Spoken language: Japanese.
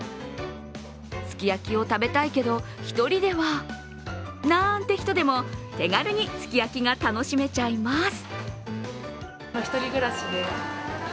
すき焼きを食べたいけど、１人ではなんて人でも手軽に、すき焼きが楽しめちゃいます。